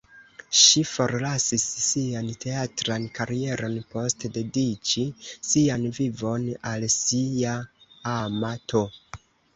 Ŝi forlasis sian teatran karieron post dediĉi sian vivon al sia ama(n)to.